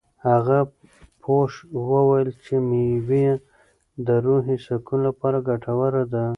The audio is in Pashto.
هغه پوه وویل چې مېوه د روحي سکون لپاره ګټوره ده.